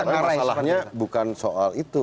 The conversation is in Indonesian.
masalahnya bukan soal itu